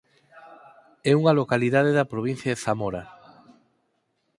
É unha localidade da provincia de Zamora.